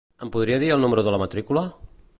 Em podria dir el número de la matrícula?